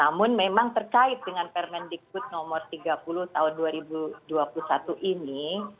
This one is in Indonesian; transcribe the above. namun memang terkait dengan permendikbud nomor tiga puluh tahun dua ribu dua puluh satu ini